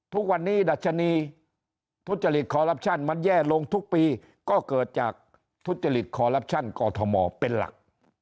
ทุกวันนี้ดัชนีทุจริตคอลลับชั่นมันแย่ลงทุกปีก็เกิดจากทุจริตคอลลับชั่นกอทมเป็นหลัก